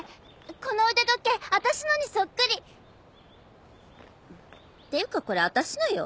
この腕時計私のにそっくり！っていうかこれ私のよ。